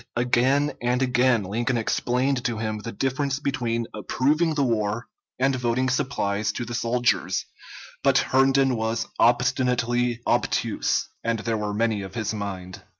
Again and again Lincoln explained to him the difference between approving the war and voting supplies to the soldiers, but Herndon was obstinately obtuse, and there were many of his mind.